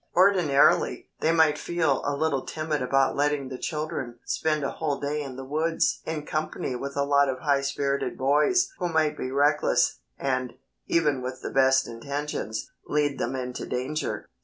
Ordinarily they might feel a little timid about letting the children spend a whole day in the woods in company with a lot of high spirited boys who might be reckless, and, even with the best intentions, lead them into danger.